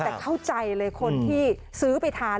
แต่เข้าใจเลยคนที่ซื้อไปทาน